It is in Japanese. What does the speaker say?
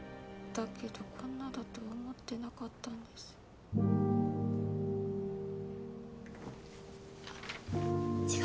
だけどこんなだとは思ってなかったんです。